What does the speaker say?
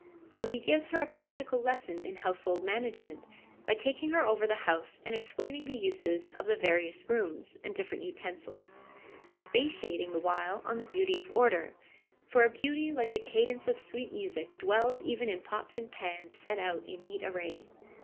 So he gives her a practical lesson in household management by taking her over the house and explaining the uses of the various rooms and different utensils, expatiating the while on the beauty of order —' for a beauty like the cadence of sweet music dwells even in pots and pans set out in neat array.'